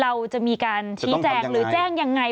เราจะมีการชี้แจงหรือแจ้งยังไง